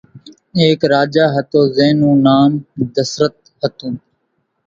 ايڪ راجا ھتو زين نون نام دسرت ھتون